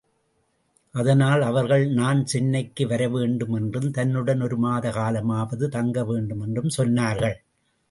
அதனால் அவர்கள் நான் சென்னைக்கு வரவேண்டும் என்றும் தன்னுடன் ஒரு மாத காலமாவது தங்க வேண்டுமென்றும் சொன்னார்கள்.